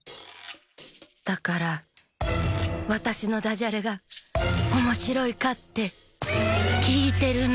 だからわたしのダジャレがおもしろいかってきいてるの！